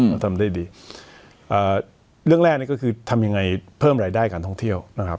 เราทำได้ดีเอ่อเรื่องแรกนี่ก็คือทำยังไงเพิ่มรายได้การท่องเที่ยวนะครับ